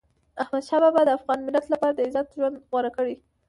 احمدشاه بابا د افغان ملت لپاره د عزت ژوند غوره کړ.